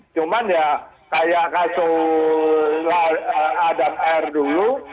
cuman ya kayak kasus adam r dulu